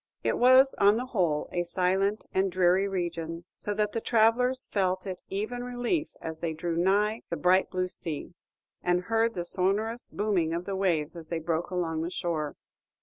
It was, on the whole, a silent and dreary region, so that the travellers felt it even relief as they drew nigh the bright blue sea, and heard the sonorous booming of the waves as they broke along the shore.